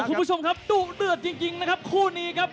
คุณผู้ชมครับดุเดือดจริงนะครับคู่นี้ครับ